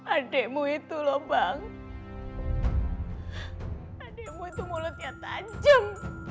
adekmu itu lho bang adekmu itu mulutnya tajam